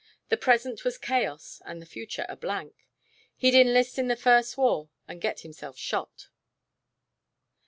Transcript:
The present was chaos and the future a blank. He'd enlist in the first war and get himself shot....